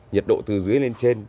nhiệt độ từ dưới lên trên